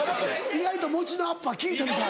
意外と餅のアッパー効いたみたい。